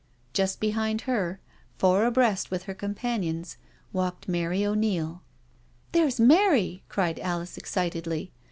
Just behind her, four abreast with her companions, walked Mary O'Neil. *• There's Mary," cried Alice excitedly.